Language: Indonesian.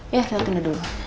iya kita tunda dulu